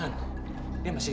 karena dari beimu